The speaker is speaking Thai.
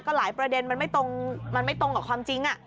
หลายประเด็นมันไม่ตรงกับความจริง